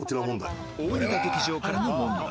大仁田劇場からの問題